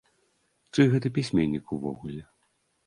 Чый гэта пісьменнік увогуле?